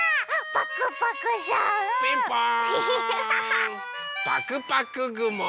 パクパクぐも！